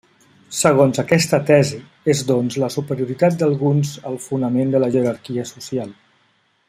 Segons aquesta tesi, és doncs la superioritat d'alguns el fonament de la jerarquia social.